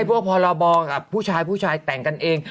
พวกพอเราบอกผู้ชายแต่งกันเอง